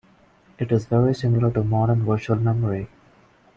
This is very similar to modern virtual memory.